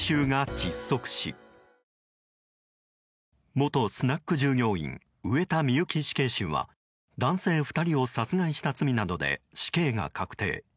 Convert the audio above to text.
元スナック従業員上田美由紀死刑囚は男性２人を殺害した罪などで死刑が確定。